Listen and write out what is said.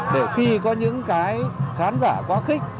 để khi có những cái khán giả quá khích